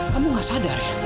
kamu gak sadar ya